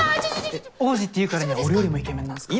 えっ王子って言うからには俺よりもイケメンなんすか？